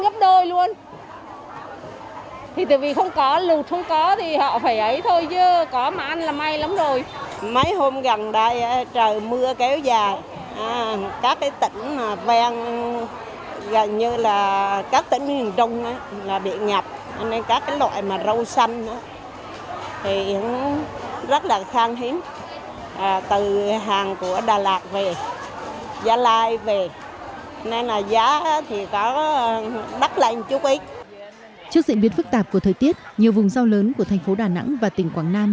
trước diễn biến phức tạp của thời tiết nhiều vùng dao lớn của thành phố đà nẵng và tỉnh quảng nam